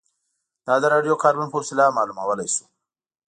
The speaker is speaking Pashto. دا د راډیو کاربن په وسیله معلومولای شو